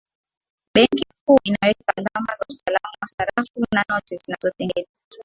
benki kuu inaweka alama za usalama wa sarafu na noti zinazotengenezwa